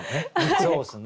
そうですね。